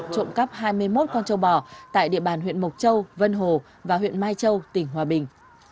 trộm cắp hai mươi một con châu bò tại địa bàn huyện mộc châu vân hồ và huyện mai châu tỉnh hòa bình